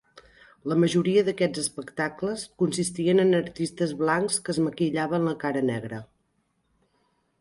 La majoria d'aquests espectacles consistien en artistes blancs que es maquillaven la cara negra.